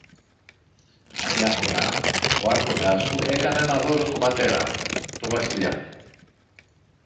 Μια φορά ο Άρχοντας σου έκανε ένα δώρο στον πατέρα μου, το Βασιλιά.